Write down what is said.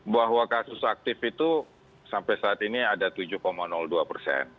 bahwa kasus aktif itu sampai saat ini ada tujuh dua persen